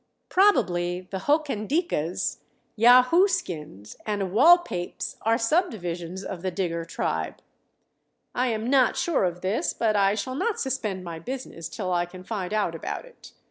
Probably the Hokandikahs, Yahooskins and the Wahlpapes are subdivisions of the Digger tribe. I am 'not sure of this, but I shall not suspend my business till I can find out about it.